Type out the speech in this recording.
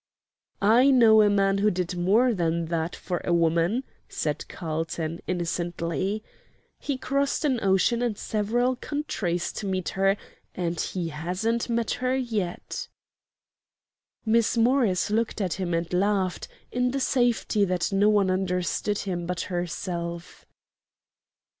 "I know a man who did more than that for a woman," said Carlton, innocently. "He crossed an ocean and several countries to meet her, and he hasn't met her yet." Miss Morris looked at him and laughed, in the safety that no one understood him but herself.